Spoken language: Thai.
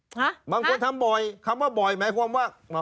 บางคนทำบ่อยคำว่าบ่อยหมายความว่า